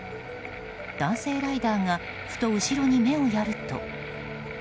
男性ライダーがふと後ろに目をやると。